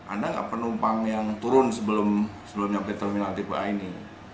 anda enggak penumpang yang turun sebelum sampai ke terminal tipe a ini